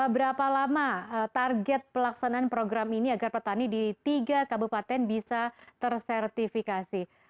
berapa lama target pelaksanaan program ini agar petani di tiga kabupaten bisa tersertifikasi